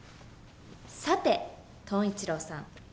さてトン一郎さん